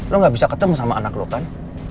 lo gak bisa ketemu sama anak lo kan